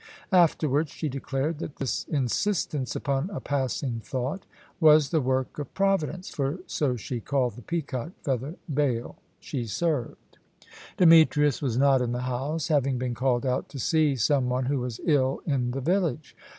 Afterwards she declared that this insistence of a passing thought was the work of Providence, for so she called the peacock feather Baal she served. Demetrius was not in the house, having been called out to see some one who was ill in the village.